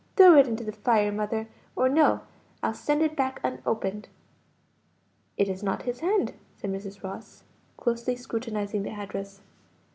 "Throw it into the fire, mother, or no; I'll send it back unopened." "It is not his hand," said Mrs. Ross, closely scrutinizing the address.